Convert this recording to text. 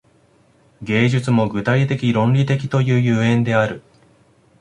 芸術も具体的論理的という所以である。